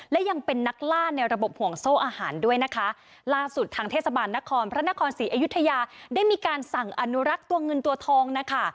และยังเป็นนักล่าในระบบห่วงโซ่อาหารด้วยนะคะล่าสุดทางเทศบาลนครพระนครศรีอยุธยาได้มีการสั่งอนุรักษ์ตัวเงินตัวทองนะคะ